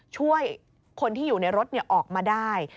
ช่วยคนที่อยู่ในรถออกมาได้